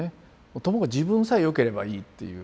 ともかく自分さえよければいいっていう。